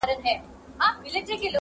o نقادان يې بېلابېل تحليلونه کوي تل,